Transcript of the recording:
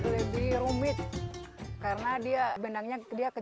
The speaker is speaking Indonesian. lebih rumit karena benangnya kecil